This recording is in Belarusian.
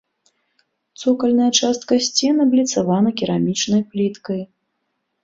Цокальная частка сцен абліцавана керамічнай пліткай.